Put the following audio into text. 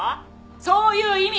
そういう意味です！